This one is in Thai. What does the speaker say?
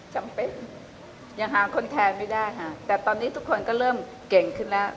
จำเป็นยังหาคนแทนไม่ได้ค่ะแต่ตอนนี้ทุกคนก็เริ่มเก่งขึ้นแล้ว